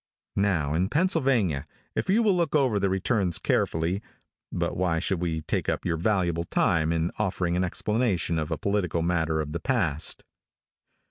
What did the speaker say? Now, in Pennsylvania, if you will look over the returns carefully but why should we take up your valuable time offering an explanation of a political matter of the past.